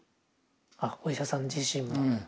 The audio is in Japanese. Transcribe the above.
あお医者さん自身が。